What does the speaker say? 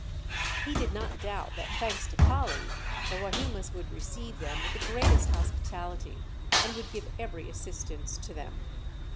He did not doubt that, thanks to Kali, the Wahimas would receive them with the greatest hospitality and would give every assistance to them.